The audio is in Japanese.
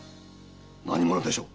何者でしょう？